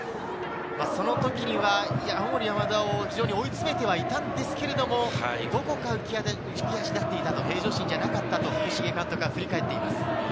その時には青森山田を追い詰めてはいたんですけれど、どこか浮き足立っていたと、平常心じゃなかったと、福重監督は振り返っています。